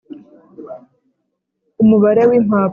umubare w impapuro